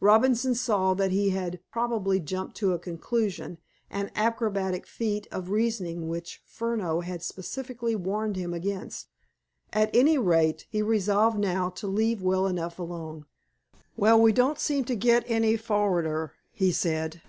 Robinson saw that he had probably jumped to a conclusion, an acrobatic feat of reasoning which Furneaux had specifically warned him against. At any rate, he resolved now to leave well enough alone. "Well, we don't seem to get any forrarder," he said.